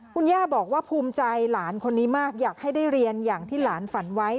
คุณย่าบอกว่าภูมิใจหลานคนนี้มากอยากให้ได้เรียนอย่างที่หลานฝันไว้